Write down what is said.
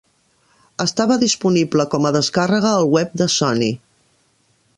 Estava disponible com a descàrrega al web de Sony.